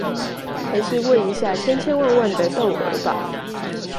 還是問一下千千萬萬的竇娥吧